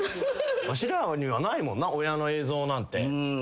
わしらにはないもんな親の映像なんて。